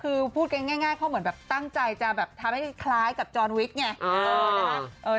คือพูดกันง่ายเขาเหมือนแบบตั้งใจจะแบบทำให้คล้ายกับจอนวิทย์ไง